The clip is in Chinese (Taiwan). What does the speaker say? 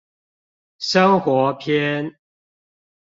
生活篇